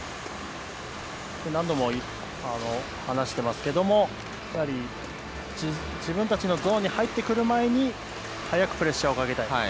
何度も話していますけども自分たちのゾーンに入ってくる前に早くプレッシャーをかけたい。